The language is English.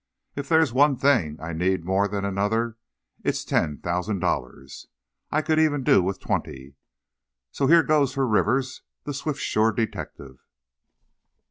If there's one thing I need more than another it's ten thousand dollars, I could even do with twenty! So, here goes for Rivers, the swiftsure detective!"